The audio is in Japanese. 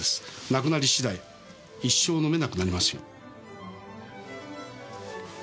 なくなり次第一生飲めなくなりますよ。